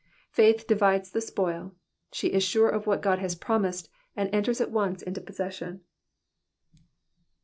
Faith divides the spoil, she is sure of what God has promised, and enters at once into possession.